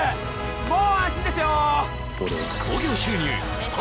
もう安心ですよ